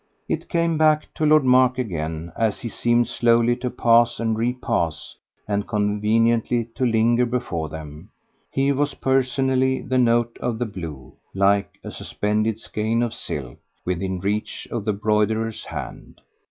It came back to Lord Mark again, as he seemed slowly to pass and repass and conveniently to linger before them; he was personally the note of the blue like a suspended skein of silk within reach of the broiderer's hand.